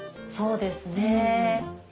そうですね。